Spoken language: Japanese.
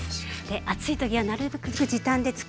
暑い時はなるべく時短でつくりたい。